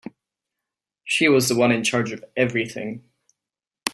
She was the one in charge of everything.